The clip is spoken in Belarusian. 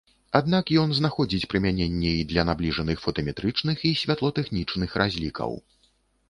Аднак ён знаходзіць прымяненне і для набліжаных фотаметрычных і святлотэхнічных разлікаў.